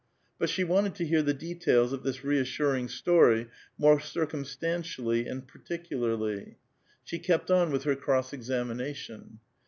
But she wanted to hear the details of this reassuring story more circumstantially and particularly. She kept on with her cross examination.